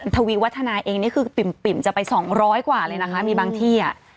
ทวีวัฒนาเองนี่คือปิ่มจะไปสองร้อยกว่าเลยนะคะมีบางที่อ่ะ